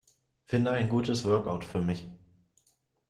Finde ein gutes Workout für mich.